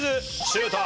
シュート！